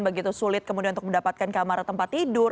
begitu sulit kemudian untuk mendapatkan kamar tempat tidur